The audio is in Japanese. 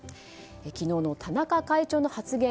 昨日の田中会長の発言